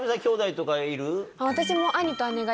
私も。